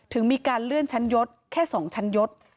ถึงมีการเลื่อนชั้นยศแค่๒ชั้นยศ